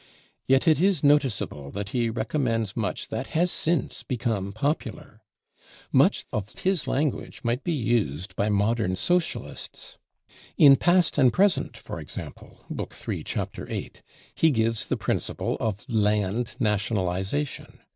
Yet it is noticeable that he recommends much that has since become popular. Much of his language might be used by modern Socialists. In 'Past and Present,' for example (Book iii., Chapter 8), he gives the principle of "land nationalization."